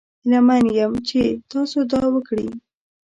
هیله من یم چې تاسو دا وکړي.